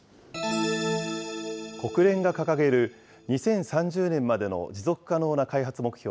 国連が掲げる２０３０年までの持続可能な開発目標